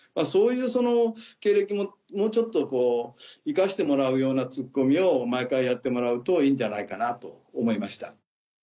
そういう経歴ももうちょっとこう生かしてもらうようなツッコミを毎回やってもらうといいんじゃないかなと思いました。